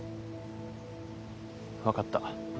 分かった。